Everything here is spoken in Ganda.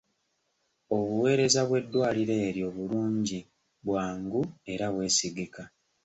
Obuweereza bw'eddwaliro eryo bulungi, bwangu era bwesigika.